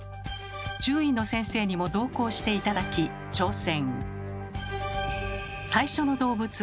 獣医の先生にも同行して頂き挑戦。